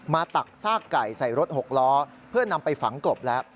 ตักซากไก่ใส่รถหกล้อเพื่อนำไปฝังกลบแล้ว